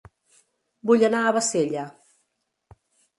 Vull anar a Bassella